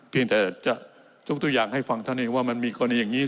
เพียงแต่จะยกตัวอย่างให้ฟังเท่านั้นเองว่ามันมีกรณีอย่างนี้